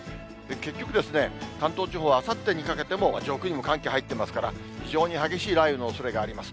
結局ですね、関東地方、あさってにかけても、上空にも寒気入ってますから、非常に激しい雷雨のおそれがあります。